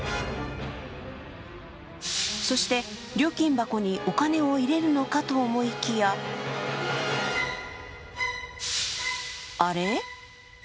そして料金箱にお金を入れるのかと思いきやあれ？